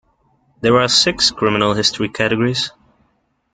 There are six criminal history categories.